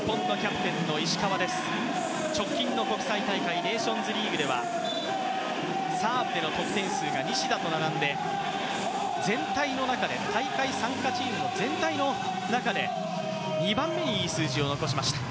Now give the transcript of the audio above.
石川、直近の国際大会ネーションズリーグではサーブでの得点数が西田と並んで大会参加チーム、全体の中で２番目にいい数字を残しました。